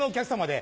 で